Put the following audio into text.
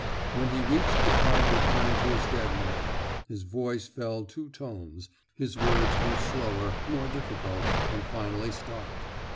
When he reached the part referring to his dead mother, his voice fell two tones, his words grew slower, more difficult, and finally stopped.